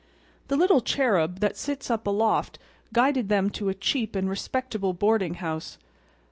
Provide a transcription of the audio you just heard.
The little cherub that sits up aloft guided them to a cheap and respectable boarding house.